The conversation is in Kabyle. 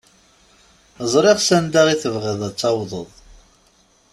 Ẓriɣ s anda i tebɣiḍ ad tawḍeḍ.